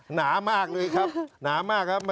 หนามากเลยครับหนามากครับ